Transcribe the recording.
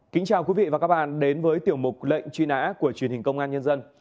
kính chào quý vị và các bạn đến với tiểu mục lệnh truy nã của truyền hình công an nhân dân